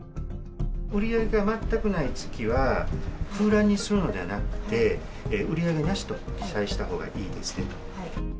売り上げが全くない月は、空欄にするのではなくて、売り上げなしと記載したほうがいいですね。